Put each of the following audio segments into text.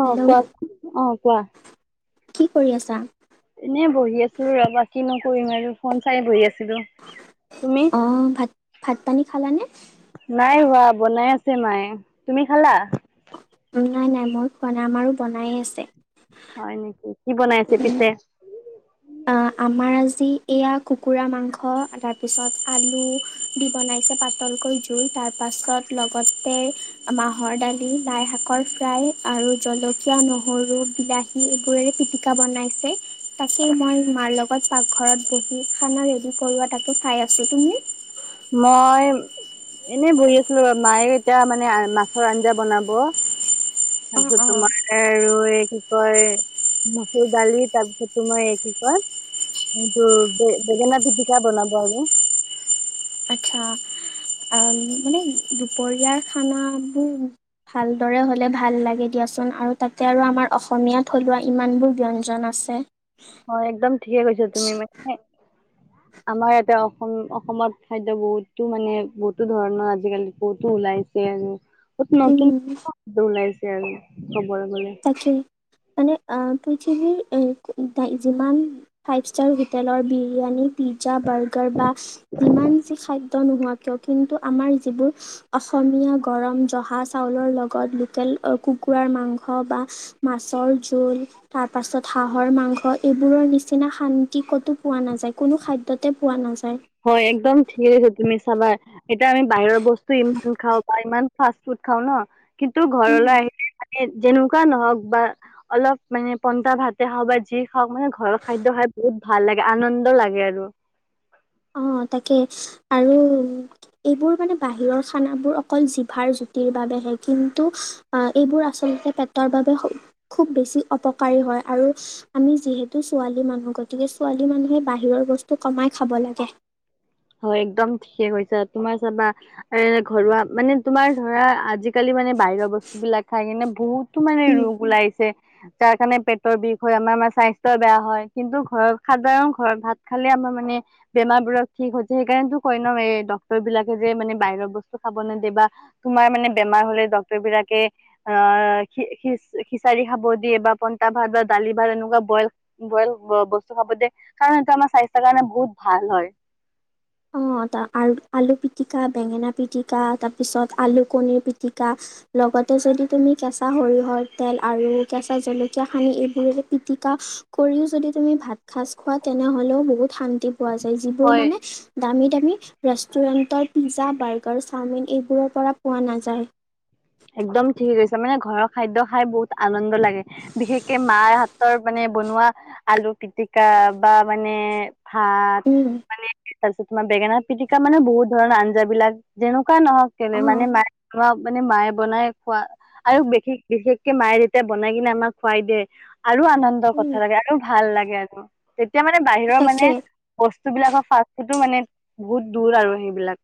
অ' hello কোৱাচোন। অ' কোৱা। কি কৰি আছা? এনে বহি আছোঁ ৰ'বা। কি নকৰিম আৰু। ফোন চাই বহি আছিলোঁ। অ' ভাত- ভাত - পানী খালানে? নাই হোৱা বনাই আছে মায়ে, তুমি খালা? নাই - নাই, মই খোৱা নাই। আমাৰো বনায়ে আছে। হয় নেকি? কি বনাই আছে পিছে? অ' আমাৰ আজি এয়া কুকুৰা মাংস, তাৰপিছত আলু দি বনাইছে পাতল কৈ জোল, তাৰপাছত লগতে মাহৰ দালি, লাই শাকৰ ফ্ৰাই আৰু জলকীয়া, নহৰু, বিলাহী এইবোৰেৰে পিটিকা বনাইছে। তা বহি খানা ৰেডি কৰোঁৱা তাকো মই এনে বহি আছিলোঁ। মায়ে এতিয়া মানে অ'- মাছৰ আঞ্জা বনাব। অঁ তাৰপিছত অঁ তোমাৰ আৰু এই কি কয়, মচুৰ দালি, তাৰপিছত তোমাৰ এই কি কয় ব- বে- বেঙেনা পিটিকা বনাব আৰু। আচ্ছা, অ'- মানে দুপৰীয়াৰ খানাবোৰ ভালদৰে হ'লে ভাল লাগে দিয়াচোন। আৰু তাতে আৰু আমাৰ অসমীয়া থলুৱা ইমানবোৰ ব্যঞ্জন আছে। হয়, একদম ঠিকে কৈছা তুমি মানে, আমাৰ ইয়াতে অসম- অসমত খাদ্য বহুতো মানে, বহুতো ধৰণৰ আজিকালি বহুতো ওলাইছে আৰু বহুত নতুন উম, [inaudible] ওলাইছে আৰু ক'বলে গ'লে। তাকে। মানে অ'- পৃথিৱীৰ এ- ডা- যিমান ফাইভ ষ্টাৰ হোটেলৰ বিৰিয়ানী, পি জা, বাৰ্গাৰ বা যিমান যি খাদ্য নোহোৱা কিয়, কিন্ত আমাৰ যিবোৰ অসমী য়া গৰম জহা চাউলৰ লগত লোকেল অ'- কুকুৰাৰ মাং স বা মাছৰ জোল, তাৰ পাছত হাঁহৰ মাংস, এইবোৰৰ নিচি নিচিনা শান্তি ক'তো পোৱা নাযায় কোনো খাদ্যতে পোৱা নাযায়। হয় একদম ঠিকে তুমি চাবা এতিয়া আমি বাহিৰৰ বস্তু ইমান খাওঁ বা ইমান ফাষ্ট ফুড খাওঁ ন কিন্তু ঘৰলৈ উম। আহিলে মানে যেনেকুৱা নহওঁক বা অলপ মানে পন্টা ভাতে খাও বা যি খাওক মানে ঘৰৰ খাদ্য খাই বহুত ভাল লাগে আনন্দ লাগে আৰু। অ তাকে আৰু এইবোৰ মানে বাহিৰৰ খানবোৰ অকল জিভাৰ জুতিৰ বাবে। হে কিন্তু আহ এইবোৰ আচলতে পেটৰ বাবে খুব বেছি অপকাৰী হয় আৰু। আমি যিহেতু ছোৱালী মানুহ গতিকে ছোৱালী মানুহে বাহিৰৰ বস্তু কমাই খাব লাগে। গে হয় একদম ঠিকে কৈছা তোমাৰ চাবা এ ঘৰুৱা মানে তোমাৰ ধৰা আজি। আজিকালি মানে বাহিৰৰ বস্তুবিলাক খাই কিনে বহুতো মানে উম। ৰোগ ওলাইছে। তাৰ কাৰণে পেটৰ বিষ হয় আমাৰ আমাৰ স্বাস্থ্য বেয়া হয় কিন্তু ঘৰত খাদ্য সাধাৰণ ঘৰত ভাত খালে আমি। মই মানে বেমাৰ বোৰত। ঠিক হৈছে সেইকাৰণে নো কয় ন এই ডক্তৰ বিলাকে যে মানে বাহিৰৰ বস্তু খাব নদে বা তোমাৰ মানে বেমাৰ। বেমাৰ হ'লে ডক্টৰ বিলাকে আ খিচাৰি খাব দিয়ে বা পইতা ভাট দালি। বা তেনেকুৱা বইল বইল বস্তু খাব দিয়ে। কাৰণ সেইটো আমাৰ স্বাস্থ্যৰ কাৰণে বহুত ভাল হয়। অহ। আলু পিটিকা, বেঙেনা পিটিকা তাৰ পিছত আৰু খনিৰ পিটিকা লগতে লগতে যদি তুমি কেঁচা সৰিয়হৰ তেল আৰু কেঁচা জলকীয়া সানি এইবোৰে পিটিকা উপৰিও যদি তুমি ভাত সাজ খোৱা তেনেহলেও বহুত শান্তি পোৱা যায়। যিবোৰ হয় মানে। দামী দামী ৰেষ্টুৰেণ্টৰ পিজ্জা, বাৰ্গাৰ, চাওমিন এইবোৰৰ পৰা পোৱা নাযায়। একদম ঠিকে কৈছো মানে ঘৰৰ খাদ্য খাই বহুত আনন্দ লাগে বিশেষকে মাৰ হাতৰ মানে। বনোৱা আলু পিটিকা বা মানে ভাত উম, মানে তাৰপিছত তোমাৰ বেঙেনা পিটিকা মানে বহুত ধৰণৰ আঞ্জা বিলাক যেনেক নহওক কেলে মানে অ', মে মানে মায়ে বনাই খোৱা আৰু বিশেষ বিশেষকে মায়ে যেতিয়া তাই বনাই কিনে আমাক খুৱাই দিয়ে। আৰু আনন্দৰ উম, কথা লাগে আৰু ভাল লাগে আৰু তেতিয়া মানে বাহিৰৰ মানে তাকে। ব বস্তুবিলাকৰ ফাষ্ট ফুড মানে বহুত দূৰ আৰু সেইবিলাক।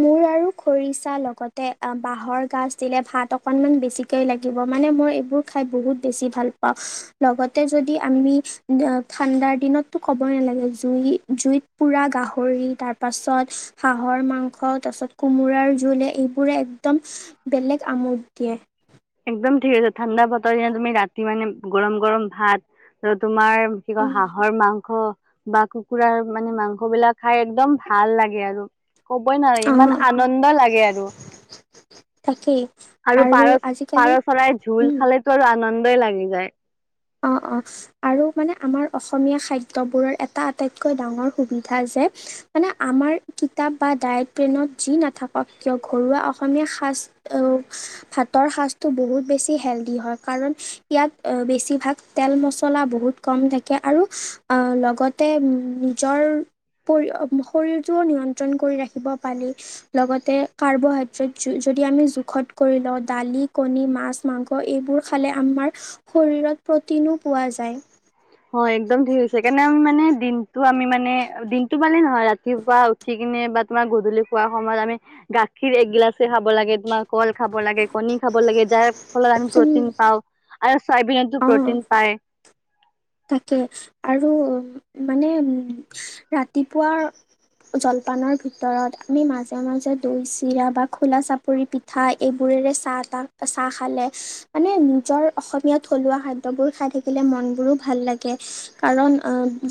মোৰ আৰু খৰিচা লগতে বাঁহৰ গাজ দিলে ভাত অকনমান বেছিকৈ লাগিব মানে। এইবোৰ খাই বহুত বেছি ভাল পাওঁ। লগতে যদি আমি ঠাণ্ডাৰ দিনত ক'বই নালাগে জুই জুইত পুৰা গাহৰি তাৰ পাছত হাহৰ মাংস তাৰ পাছত কোমোৰাৰ জোলে এইবোৰে একদম বেলেগ আমোদ দিয়ে। একদম ঠিক আছে ঠাণ্ডা বতৰ দিনা তুমি ৰাতি মানে গৰম গৰম ভাত আৰু তোমাৰ কি ক উম, হাঁহৰ মাংস বা কুকুৰাৰ মানে মাংস বিলাক খাই একদম ভাল লাগে আৰু। কবই নোৱাৰি অ ইমান আনন্দ লাগে আৰু তাকেই আৰু পাৰ পাৰ চৰাই জোল উম খালেতো আৰু আনন্দই লাগি যায়। অ অ আৰু মানে আমাৰ অসমীয়া খাদ্যৰ বোৰৰ এটা আটাইতকৈ ডাঙৰ সুবিধা যে মানে আমাৰ কিতাপ বা ডায়ক প্ৰেনত যি নাথাকক কিয় ঘৰুৱা অসমীয়া শাজ ভাতৰ সাজটো বহুত বেছি হেলডি হয়। কাৰণ ইয়াত বেছি ভাগ তেল মছলা বহুত কম থাকে আৰু লগতে নিজৰ শৰীৰটো নিয়ন্ত্ৰণ কৰি ৰাখিব পাৰি। লগতে কাৰ্বহাইড্ৰেট যদি আমি জোখত কৰি লওঁ দালি কণী মাছ মাংস এইবোৰ খালে আমাৰ শৰীৰত। প্ৰটিনো পোৱা যায়। তো আমি মানে দিনতটো পালে হয়। ৰাতিপুৱা উঠি কিনে বা তোমাৰ গধূলি খোৱাৰ সময়ত আমি গা কীৰ একগিলাচে খাব লাগে তোমাৰ কল খাব লাগে কণী খাব লাগে যাৰ ফলত আমি উম প্ৰটিন পাওঁ আৰু চয়াবিনতো প্ৰটিন পায়। থাকে আৰু মানে উম ৰাতিপুৱা জলপানৰ ভিতৰত আমি মাজে মাজে দৈ, চিৰা বা খোলা চাপৰি পিঠা এইবোৰ চাহ চাহ খালে মানে নিজৰ অসমীয়া থলুৱা খাদ্যবোৰ খাই থাকিলে মন বোৰো [unintelligible] ভাল লাগে কাৰণ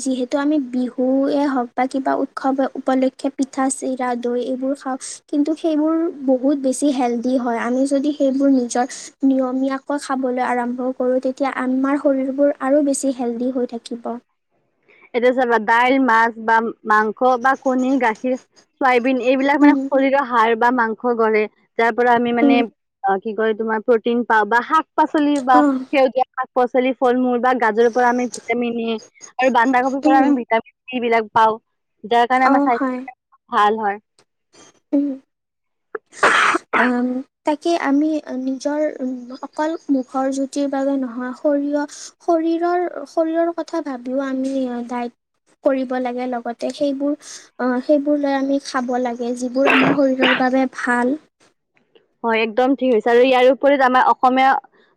যিহেতু আমি বিহুৱে হওক বা কিবা উৎসৱ উপলক্ষ পিঠা চিৰা দৈ এইবোৰ খাওঁ কিন্তু সেইবোৰ বহুত বেছি হেল্ডি হয়। আমি যদি সেইবোৰ নিজৰ নিয়মীয়াকৈ খাবলৈ আৰম্ভ কৰো। তেতিয়া আমাৰ শৰীৰবোৰ আৰু বেছি বেছি হেল্ডি হৈ থাকিব। এতিয়া চাবা দাইল, মাছ বা মাংস বা কণী গাখীৰ, চয়াবিন এইবিলাক মানে উম শৰীৰৰ সাৰ বা মাংস গঢ় তাৰ পৰা আমি মানে উম কি ক তোমাৰ প্ৰটিন পাওঁ বা শাক শাক পাচলি বা অ সেউজীয়া শাক পাচলি ফল মূল বা গাজৰ পৰা আমি ভিটামিন এ আৰু বন্ধাকবিৰ উম পৰা আমি ভিটামিন চি বিলাক পাও যাৰ কাৰণে অ আমাৰ হয় স্বাস্থ্যৰ ভাল হয়। উম অ তাকে আমি নিজৰ উ অকল মুখৰ জুতিৰ বাবে নহোৱা শৰীৰৰ শৰীৰৰ কথা ভাবিও আমি দায়িত্ব [unintelligible] কৰিব লাগে লগতে সেইবোৰ অ সেইবোৰ লৈ আমি খাব লাগে যিবোৰ আমাৰ শৰীৰৰ। [unintelligible] বাবে ভাল। হয় একদম ঠিক হৈছে আৰু ইয়াৰ উপৰি আমাৰ অসমীয়া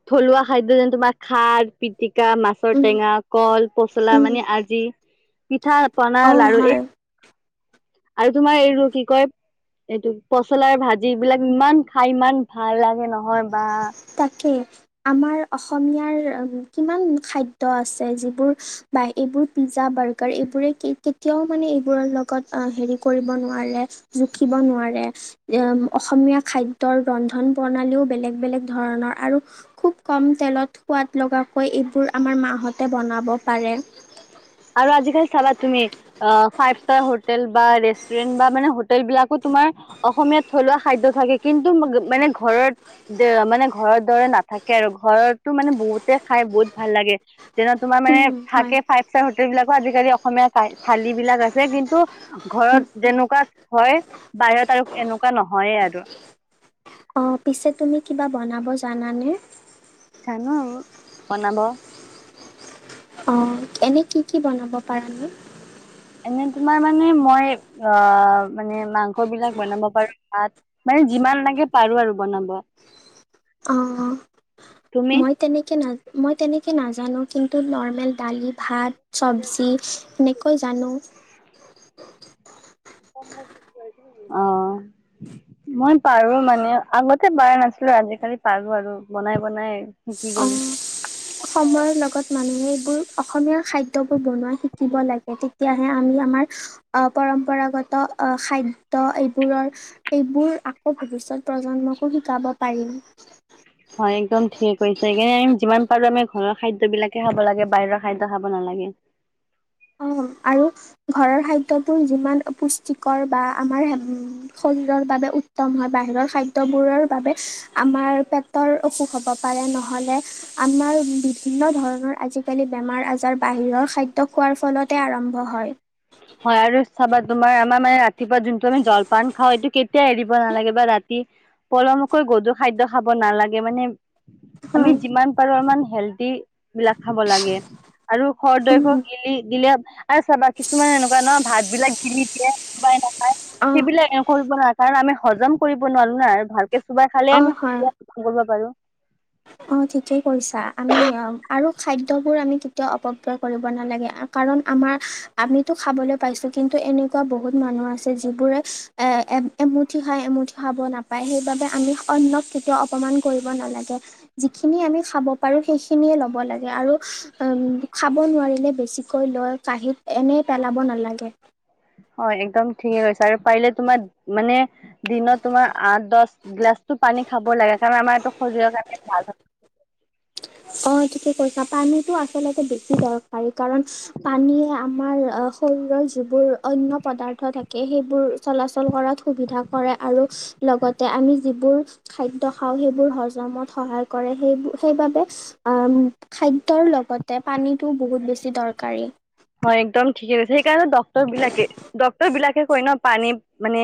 থলুৱা খাদ্য যেনে তোমাৰ খাৰ পিটিক। [unintelligible] কছ মাছৰ উম টেঙা কল পচলা উম মানে আজি। পিঠা পনা অ লাৰু হয় এই। আৰু তোমাৰ এই কি কয়। এইটো পচলাৰ ভাজি এইবিলাক ইমান খাই ইমান ভাল লাগে নহয়। বা তাকে আমাৰ অসমীয়াৰ। কিমান খাদ্য আছে যিবোৰ বা এইবোৰ পিজ্জা বাৰ্গাৰ এইবোৰে কেতিয়া। মানে এইবোৰৰ লগত হেৰী কৰিব নোৱাৰে জোখিব নোৱাৰে অ অসমীয়া [unintelligible] খাদ্যৰ ৰন্ধন প্ৰণালীও বেলেগ বেলেগ? ধৰণৰ আৰু খুব কম তেলত সোৱাদ লগাকৈ এইবোৰ আমাৰ মাহতে বনাব পাৰে। এক আৰু আজিকালি চাবা তুমি ফাইভ ষ্টাৰ হোটেল বা ৰেষ্টুৰেন্ট বা মানে হোটেল বিলাকো? তোমাৰ অসমীয়াত থলুৱা খাদ্য থাকে কিন্তু মানে ঘৰত মানে ঘৰৰ দৰে নাথ। থাকে আৰু ঘৰতো মানে বহুতে খাই বহুত ভাল লাগে যেনে তোমাৰ মানে উম, হয় থাকে ফাই। বিলাকো আজিকালি অসমীয়া থালি বিলাক আছে কিন্তু ঘৰত যেনেকুৱা হয়। বাহিৰত আৰু এনেকুৱা নহয়েই আৰু। অঁ পিছে তুমি কিবা বনাব জানানে? জানো আৰু বনাব। অ এনে কি কি বনাব পাৰা নো? [unintelligible] এনে তোমাৰ মানে মই অ মানে মাংস বিলাক বনাব পাৰো ভাত মানে। যিমান লাগে পাৰো আৰু বনাব। আহ তুমি মই তেনেকৈ ন মই তেনেকৈ নাজানো কিন্তু নৰ্মেল দালি ভাত। চব্জি এনেকৈ জানো। আহ মই পাৰো মানে আগতে পাৰা নাছিলো আজিকালি পাৰো আৰু বনাই বনাই শিকি। অ ফল সময়ৰ লগত মানুহে। বোৰ অসমীয়া খাদ্যবোৰ বনোৱা শিকিব লাগে তেতিয়াহে আমি আমাৰ আহ পৰম্পৰাগত খাদ্য এইবোৰৰ এইবোৰ আকৌ ভৱিষ্যত প্ৰজন্মকো শিকাব পাৰি। উ হয় একদম ঠিক হৈছে সেইকাৰণে আমি যিমান পাৰো আমি ঘৰৰ খাদ্য বিলাকে খাব লাগে বাহিৰৰ খাদ্য খাব নালাগে। [inaudible] আৰু ঘৰৰ খাদ্যবোৰ যিমান পুষ্টিকৰ বা আমাৰ শৰীৰৰ বাবে উত্তম হয় বাহিৰৰ খাদ্যবোৰৰ বাবে আমাৰ পেটৰ অসুখ হ'ব পাৰে। নহলে আমাৰ বিভিন্ন ধৰণৰ আজিকালি বেমাৰ আজাৰ বাহিৰৰ খাদ্য খোৱাৰ ফলতে আৰম্ভ হয়। হয় আৰু চাবা তোমাৰ আমাৰ মানে ৰাতিপুৱা যোনটো আমি জলপান খাওঁ এইটো কেতিয়াও এৰিব নালাগে বা ৰাতি পলমকৈ গধুৰ খাদ্য খাব নালাগে মানে। আমি হয় যিমান পাৰো ইমান হেলডি বিলাক খাব লাগে আৰু খৰদৈ উম গিলি গিলে আ চাবা কি কিছুমান এনেকুৱা ন ভাত বিলাক গিলি দিয়ে কিবাই নাপায় অ', সেইবিলাক কৰিব কাৰণ আমি হজম কৰিব নোৱাৰো না ভালকে চোবাই খালে অ', আমি কৰিব পাৰো। হয় অ ঠিকেই কৈছা আমি আৰু খাদ্যবোৰ আমি কেতিয়াও অপব্যয় কৰিব নালাগে কাৰণ আমাৰ আমিতো খাবলৈ পাইছো কিন্তু এনেকুৱা বহুত মানুহ আছে যিবোৰে এ এ এমুঠি খাই এমুঠি খাব নাপায় সেইবাবে আমি অন্যক কেতিয়াও অপমান কৰিব নালাগে। যিখিনি আমি খাব পাৰো সেইখিনিয়ে ল'ব লাগে আৰু উম খাব নোৱাৰিলে বেছি কৈ লৈ কাঁহীত এনেই পেলাব নালাগে। হয় একদম ঠিকে কৈছা আৰু পাৰিলে তোমাৰ মানে দিনত তোমাৰ আঠ দহ গিলাছটো পানী খাব লাগে কাৰণ আমাৰ এইটো শৰীৰৰ কাৰণে ভাল হয়। অ ঠিকে কৈছা পানীটো আছ চলতে বেছি দৰকাৰী কাৰণ পানীয়ে আমাৰ শৰীৰৰ যিবোৰ অন্য পদাৰ্থ থাকে সেইবোৰ চলাচল কৰাত সুবিধা কৰে আৰু লগতে আমি যিবোৰ খাদ্য খাওঁ সেইবোৰ হজমত সহায় কৰে সেই সেইবাবে খা দ্যৰ লগতে পানীটো বহুত বেছি দৰকাৰী। হয় একদম ঠিকে কৈছে সেইকাৰণে ডক্তৰ বিলাকে ডক্তৰ বিলাকে কৈ ন পানী মানে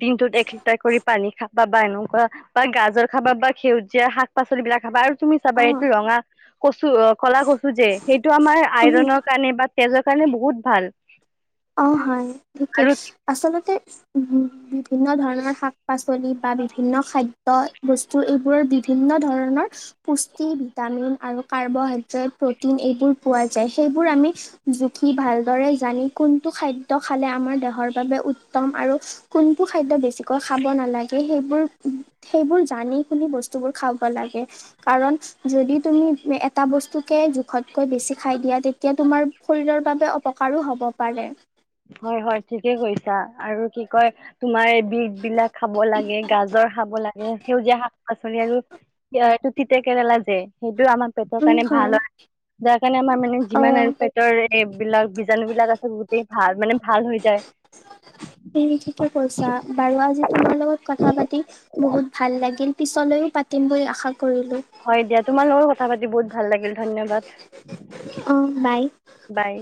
দিনটোত এক লিটাৰ কৰি পানী খা বা বা এনেকুৱা বা গাজৰ খাবা বা সেউজীয়া শাক পাচলি বিলাক খাবা আৰু তুমি চাবা অ এইটো ৰঙা কচু অ ক'লা কচু যে সেইটো আমাৰ উম আইৰনৰ কাৰণে বা তেজৰ কাৰণে বহুত ভাল। অ হয় ঠিকেই আৰু আচলতে উ বিভিন্ন ধৰণৰ শাক পাচলি বা বিভিন্ন খাদ্য বস্তু এইবোৰৰ বিভিন্ন ধৰণৰ পুষ্টি ভিটামিন আৰু কাৰ্বহাইড্ৰেট প্ৰটিন এইবোৰ পোৱা যায় সেইবোৰ আমি জু খি ভালদৰে জানি কোনটো খাদ্য খালে আমাৰ দেহৰ বাবে উত্তম আৰু কোনটো খাদ্য বেছিকৈ খাব নালাগে সেইবোৰ সেইবোৰ জানি শুনি বস্তুবোৰ খাব লাগে কাৰণ যদি তুমি এটা বস্তু কে জোখতকৈ বেছি খাই দিয়া তেতিয়া তোমাৰ শৰীৰৰ বাবে অপকাৰো হ'ব পাৰে। বা আৰু কি কয় তোমাৰ এ বিত বিলাক খাব লাগে গাজৰ খাব লাগে সেউজীয়া শাক পাচলি আৰু এইটো তিতা কেৰেলা যে সেইটোও আমাৰ পেটৰ কাৰণে ভাল হয়। যাৰ কাৰণে আমাৰ মানে যিমান অ', আৰু পেটৰ এইবিলাক বীজাণু বিলাক আছে গোটেই। ভাল মানে ভাল হৈ যায়। [unintelligible] তু ঠিকে কৈছা বাৰু আজি তোমাৰ লগত কথা পাতি বহুত ভাল লাগিল। পিছলৈও পাতিম বুলি আশা কৰিলোঁ। হয় দিয়া তোমাৰ লগত কথা পাতি বহুত ভাল লাগিল ধন্যবাদ অ', বাই। বাই